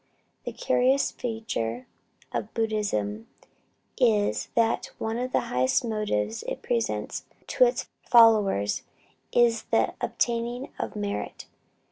A curious feature of Buddhism is, that one of the highest motives it presents to its followers is the "obtaining of merit."